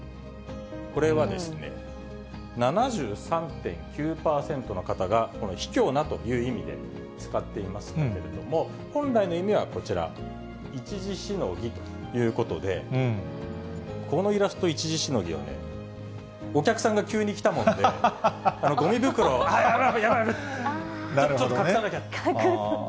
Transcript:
これはですね、７３．９％の方が、このひきょうなという意味でつかっていますけれども、本来の意味はこちら、一時しのぎということで、このイラスト一時しのぎよね、お客さんが急に来たもんで、ごみ袋をあー、やばい、やばい、ちょっと隠さなきゃって。